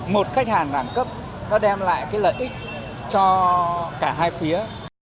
một khách hàng đẳng cấp nó đem lại cái lợi ích cho cả hai phía